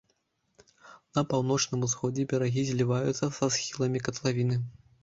На паўночным усходзе берагі зліваюцца са схіламі катлавіны.